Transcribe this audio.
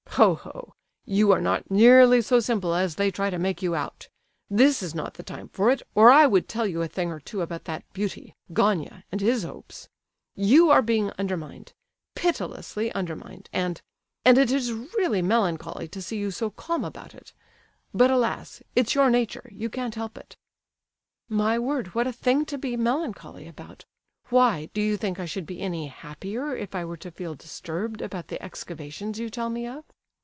"Ho, ho! you are not nearly so simple as they try to make you out! This is not the time for it, or I would tell you a thing or two about that beauty, Gania, and his hopes. You are being undermined, pitilessly undermined, and—and it is really melancholy to see you so calm about it. But alas! it's your nature—you can't help it!" "My word! what a thing to be melancholy about! Why, do you think I should be any happier if I were to feel disturbed about the excavations you tell me of?"